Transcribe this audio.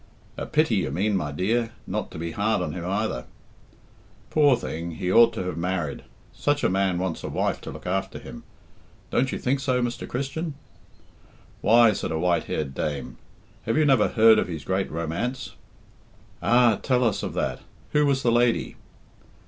"A pity, you mean, my dear, not to be hard on him either." "Poor thing! He ought to have married. Such a man wants a wife to look after him. Don't you think so, Mr. Christian?" "Why," said a white haired dame, "have you never heard of his great romance?" "Ah! tell us of that. Who was the lady?"